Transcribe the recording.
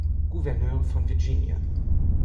Gouverneur von Virginia.